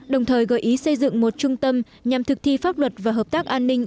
đồng thời gợi ý xây dựng một trung tâm nhằm thực thi pháp luật và hợp tác an ninh